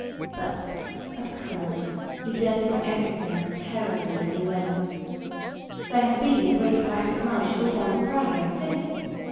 But, of course, he dirtied everything, terribly as he went. There has been a great black smudge all down the crag ever since.